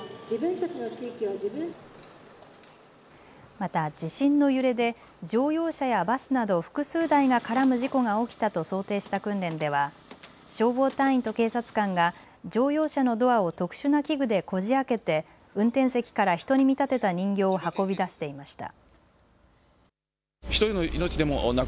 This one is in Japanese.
また地震の揺れで乗用車やバスなど複数台が絡む事故が起きたと想定した訓練では消防隊員と警察官が乗用車のドアを特殊な器具でこじあけて運転席から人に見立てた人形を運び出していました。